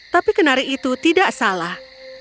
tapi kenari itu tidak salah